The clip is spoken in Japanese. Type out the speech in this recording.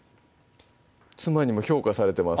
妻にも評価されてます